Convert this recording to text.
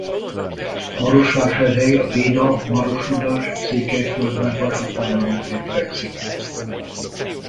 Marosvásárhely a Déda–Marosludas–Székelyföldvár vasútvonal mentén fekszik.